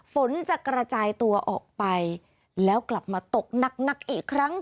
ฝนจะกระจายตัวออกไปแล้วกลับมาตกหนักอีกครั้ง